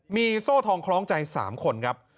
มีโซ่ทองคล้องใจ๓คนครับ